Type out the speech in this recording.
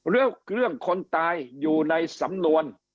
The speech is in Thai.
แล้วเรื่องคนตายอยู่ในสำนวน